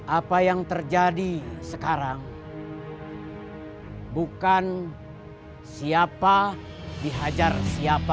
apa yang terjadi sekarang bukan siapa dihajar siapa